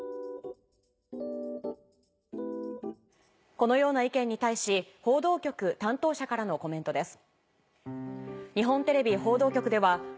このような意見に対し報道局担当者からのコメントです。